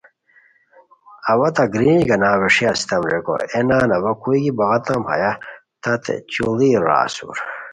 اوا تہ گرینج گاناؤ ویݰیئے اسیتام ریکو اے نان اوا کوئی کی بعاتام ہیہ تات چوڑیر را اسور